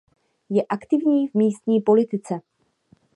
Je aktivní v místní politice.